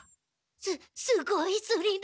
すっすごいスリル。